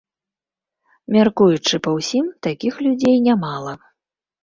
Мяркуючы па ўсім, такіх людзей нямала.